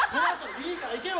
いいからいけよ！